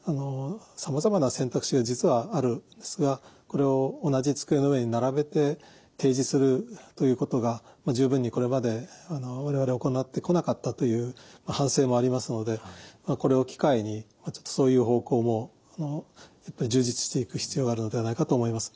さまざまな選択肢が実はあるんですがこれを同じ机の上に並べて提示するということが十分にこれまで我々行ってこなかったという反省もありますのでこれを機会にそういう方向もやっぱり充実していく必要があるのではないかと思います。